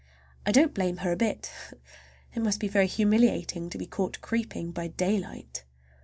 I don't blame her a bit. It must be very humiliating to be caught creeping by daylight!